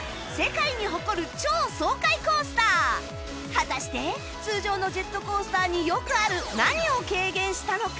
果たして通常のジェットコースターによくある何を軽減したのか？